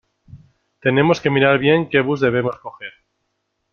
Tenemos que mirar bien qué bus debemos coger.